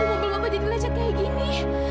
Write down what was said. mobilnya jadi lecet kayak gini